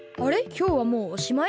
きょうはもうおしまい？